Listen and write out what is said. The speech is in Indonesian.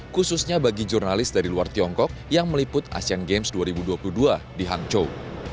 khususnya bagi jurnalis dari luar tiongkok yang meliput asean games dua ribu dua puluh dua di hangzhou